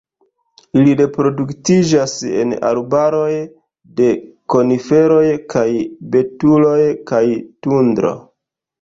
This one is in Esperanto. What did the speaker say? Ili reproduktiĝas en arbaroj de koniferoj kaj betuloj kaj tundro.